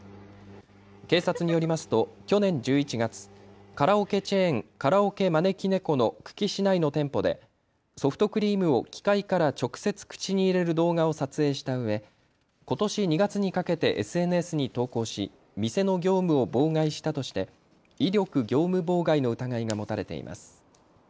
警察によりますと去年１１月、カラオケチェーン、カラオケまねきねこの久喜市内の店舗でソフトクリームを機械から直接、口に入れる動画を撮影したうえ、ことし２月にかけてＳＮＳに投稿し店の業務を妨害したとして威力業務妨害の疑いが持たれています。